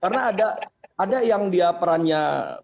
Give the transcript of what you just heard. karena ada yang dia perannya